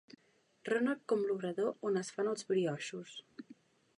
Rònec com l'obrador on es fan els brioixos.